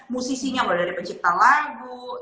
musisinya loh dari pencipta lagu